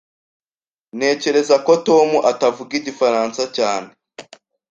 Ntekereza ko Tom atavuga Igifaransa cyane.